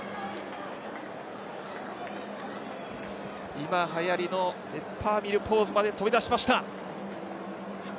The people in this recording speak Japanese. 今はやりのペッパーミルポーズまで飛び出しました。